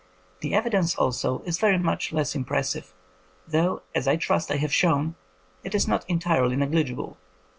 The evidence also is very much less impressive, though, as I trust I have shown, it is not entirely negli gible.